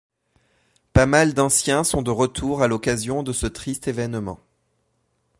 Pas mal d'anciens sont de retour à l'occasion de ce triste événement.